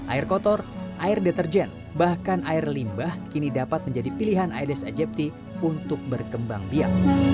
air kotor air deterjen bahkan air limbah kini dapat menjadi pilihan aedes aegypti untuk berkembang biak